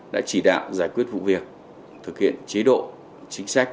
đã chỉ đạo giải quyết vụ việc thực hiện chế độ chính sách